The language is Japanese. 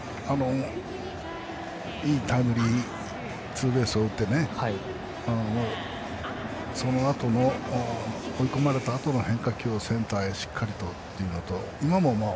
いいタイムリーツーベースを打ってそのあとの追い込まれたあとの変化球をセンターへしっかりとというのと。